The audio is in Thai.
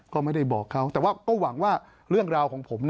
ก็ไม่ได้บอกเขาแต่ว่าก็หวังว่าเรื่องราวของผม